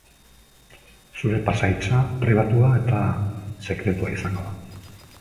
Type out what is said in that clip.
Zure pasahitza pribatua eta sekretua izango da.